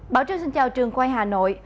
bảo trương xin chào trường quay hà nội